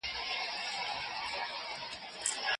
که ئې دواړه اړخونه سره برابر سوه.